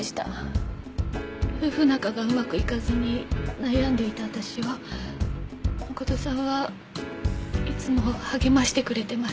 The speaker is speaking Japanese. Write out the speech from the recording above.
夫婦仲がうまくいかずに悩んでいた私を誠さんはいつも励ましてくれてました。